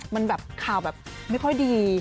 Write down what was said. มันแบบข่าวแบบไม่ค่อยดี